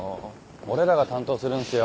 俺らが担当するんすよ。